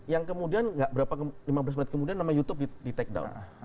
yang kemudian lima belas menit kemudian nama youtube di take down